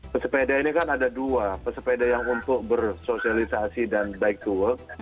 pesepeda ini kan ada dua pesepeda yang untuk bersosialisasi dan bike to work